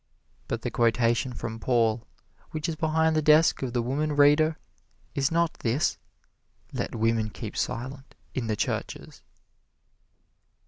But the quotation from Paul, which is behind the desk of the woman reader, is not this: "Let women keep silence in the churches."